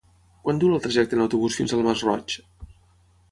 Quant dura el trajecte en autobús fins al Masroig?